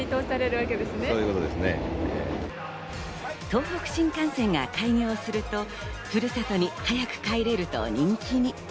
東北新幹線が開業すると、ふるさとに早く帰れると人気に。